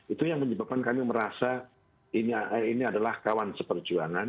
itu yang menyebabkan kami merasa ini adalah kawan seperjuangan